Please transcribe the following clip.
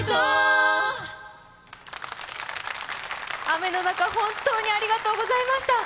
雨の中本当にありがとうございました。